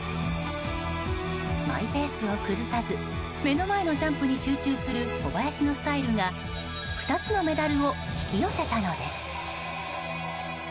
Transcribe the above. マイペースを崩さず目の前のジャンプに集中する小林のスタイルが２つのメダルを引き寄せたのです。